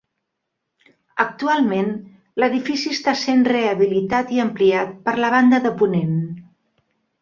Actualment, l'edifici està essent rehabilitat i ampliat per la banda de ponent.